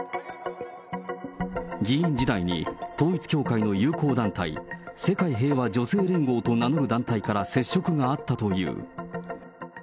議員時代に、統一教会の友好団体、世界平和女性連合と名乗る団体から接触があったという。